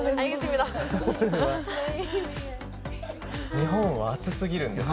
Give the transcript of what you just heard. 日本は暑すぎるんです。